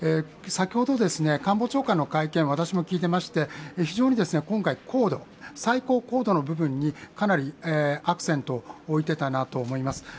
先ほど、官房長官の会見を私も聞いてまして非常に今回、高度、最高高度の部分にかなりアクセントを置いていたなと思います。